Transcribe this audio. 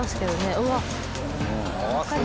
うわっ。